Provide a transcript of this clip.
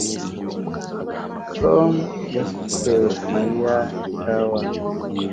Tom yasutse Mariya ikawa